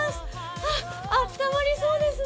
あったまりそうですね。